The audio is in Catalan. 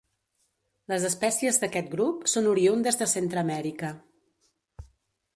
Les espècies d'aquest grup són oriündes de Centreamèrica.